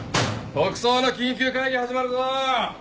特捜の緊急会議始まるぞ！